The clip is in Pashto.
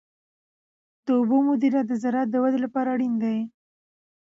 د اوبو مدیریت د زراعت د ودې لپاره اړین دی.